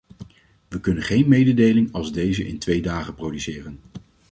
Wij kunnen geen mededeling als deze in twee dagen produceren.